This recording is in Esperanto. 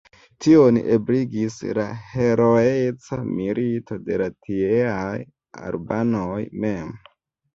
Tion ebligis la heroeca milito de la tieaj albanoj mem.